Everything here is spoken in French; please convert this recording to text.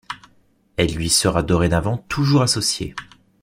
Elle lui sera dorénavant toujours associée.